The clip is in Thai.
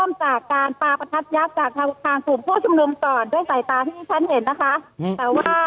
เริ่มจากการปราบประทัดยักษ์จากด้านทางสูตรผู้ชมนุมต่อด้วยใส่ตานั้นนะคะ